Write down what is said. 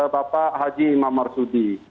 bapak haji imam marsudi